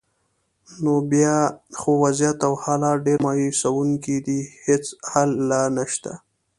نو بیا خو وضعیت او حالات ډېر مایوسونکي دي، هیڅ هیله نشته.